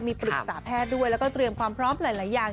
มีปรึกษาแพทย์ด้วยแล้วก็เตรียมความพร้อมหลายอย่าง